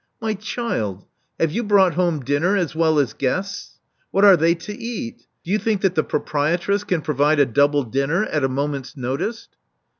My child: have you' brought home dinner as well as guests? What are they to eat? Do you think that the proprietress can provide a double dinner at a moment's notice?"